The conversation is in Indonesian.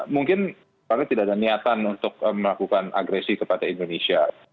mungkin karena tidak ada niatan untuk melakukan agresi kepada indonesia